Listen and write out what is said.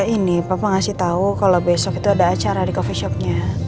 ini papa ngasih tau kalau besok itu ada acara di coffee shop nya